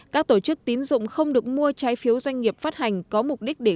các tổ chức tín dụng không được mua trái phiếu doanh nghiệp phát hành có mục đích để